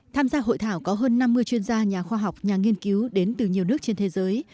tham gia hội thảo có hơn năm mươi chuyên gia nhà khoa học nhà nghiên cứu đến từ nhiều nước trên thế giới